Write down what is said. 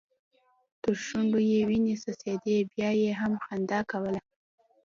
تر شونډو يې وينې څڅيدې بيا يې هم خندا کوله.